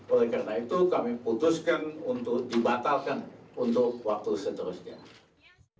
oleh karena itu kami putuskan untuk dibatalkan untuk waktu seterusnya